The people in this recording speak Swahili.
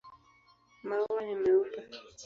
Maua ni meupe.